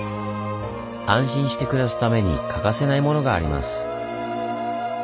安心して暮らすために欠かせないものがあります。